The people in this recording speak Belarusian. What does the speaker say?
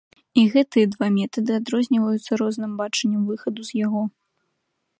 І гэтыя два метады адрозніваюцца розным бачаннем выхаду з яго.